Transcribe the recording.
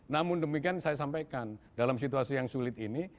namun demikian saya sampaikan dalam situasi yang sulit ini